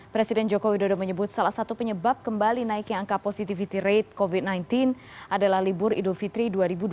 presiden joko widodo menyebut salah satu penyebab kembali naiknya angka positivity rate covid sembilan belas adalah libur idul fitri dua ribu dua puluh